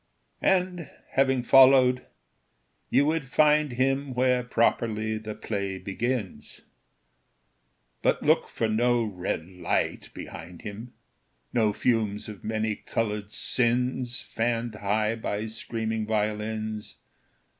And, having followed, you would find him Where properly the play begins; But look for no red light behind him No fumes of many colored sins, Fanned high by screaming violins.